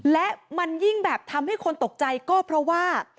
และมันยิ่งแบบทำให้คนตกใจก็เพราะว่า